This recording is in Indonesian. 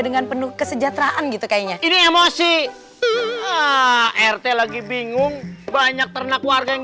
dengan penuh kesejahteraan gitu kayaknya ini emosi rt lagi bingung banyak ternak warga yang